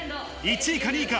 １位か２位か？